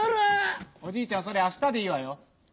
おじいちゃんそれあしたでいいわよ。